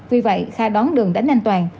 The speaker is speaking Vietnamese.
vì vậy kha đón đường đánh anh toàn